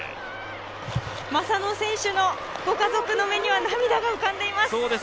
正野選手のご家族の目には涙が浮かんでいます。